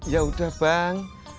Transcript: ya udah bang